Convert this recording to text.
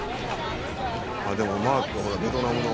「あっでもマークがほらベトナムの」